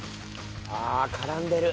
ああ絡んでる。